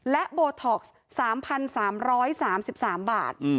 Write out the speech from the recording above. และโบท็อกซ์๓๓บาท